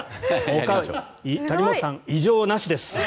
谷本さん、異常なしです。